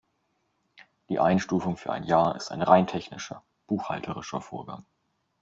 Die Einstufung für ein Jahr ist ein rein technischer, buchhalterischer Vorgang.